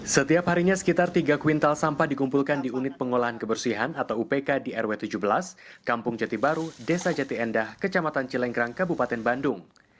setiap harinya sekitar tiga kuintal sampah dikumpulkan di unit pengolahan kebersihan atau upk di rw tujuh belas kampung jati baru desa jati endah kecamatan cilenggrang kabupaten bandung